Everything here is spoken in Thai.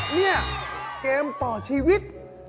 เนี่ยเกมต่อชีวิต